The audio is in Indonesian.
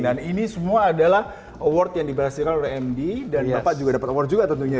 dan ini semua adalah award yang dibahasirkan oleh md dan bapak juga dapat award juga tentunya ya